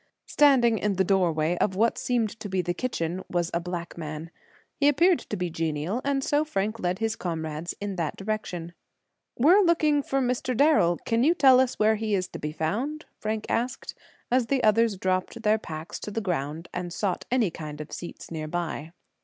Standing in the doorway of what seemed to be the kitchen was a black man. He appeared to be genial, and so Frank led his comrades in that direction. "We're looking for Mr. Darrel; can you tell us where he is to be found?" Frank asked, as the others dropped their packs to the ground, and sought any kind of seats nearby.